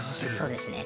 そうですね。